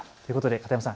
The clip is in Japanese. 片山さん